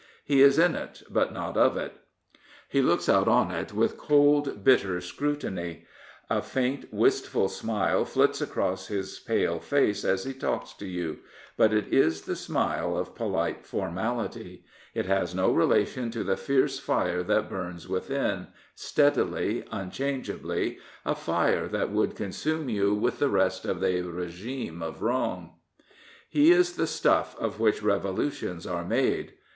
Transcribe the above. He is in it, but not of it. He looks out on it with cold, bitter scrutiny. A faint, wistful smile flits across his pale face as he talks to you; 278 Philip Snowden but it is the smile of polite formality. It has no relation to the fierce fire that burns within, steadily, unchangeably, a fire that would consume you with the rest of the regime of wrong. He is the stuff of which revolutions are made.